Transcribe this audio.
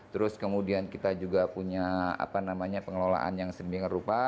terus kemudian kita juga punya pengelolaan yang sedemikian rupa